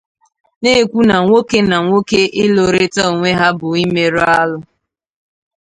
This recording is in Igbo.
na-ekwu na nwoke na nwoke ịlụrita onwe ha bụ ịmerụ ala.